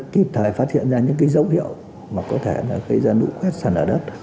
kịp thời phát hiện ra những cái dấu hiệu mà có thể là gây ra nũ quét sạt lả đất